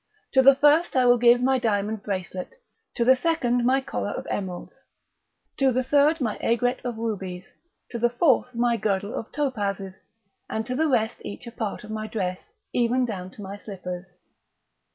To the first I will give my diamond bracelet, to the second my collar of emeralds, to the third my aigret of rubies, to the fourth my girdle of topazes, and to the rest each a part of my dress, even down to my slippers."